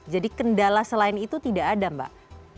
jadi kendala selain itu tidak ada mbak